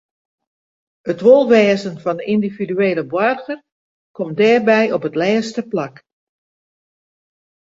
It wolwêzen fan de yndividuele boarger komt dêrby op it lêste plak.